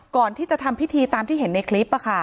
ก่อนที่จะทำพิธีตามที่เห็นในคลิป